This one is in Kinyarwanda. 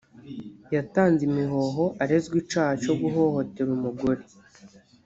yatanze imihoho arezwe icaha co guhohotera umugore